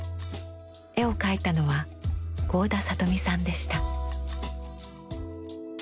絵を描いたのは合田里美さんでした。